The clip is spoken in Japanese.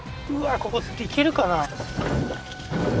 ここ行けるかな？